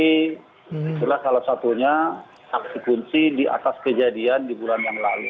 itu adalah salah satunya saksi kunci di atas kejadian di bulan yang lalu